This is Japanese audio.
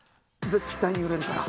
絶対に売れるから。